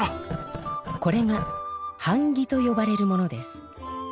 これがはん木とよばれるものです。